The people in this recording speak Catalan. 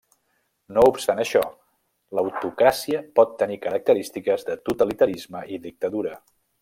No obstant això, l'autocràcia pot tenir característiques de totalitarisme i dictadura.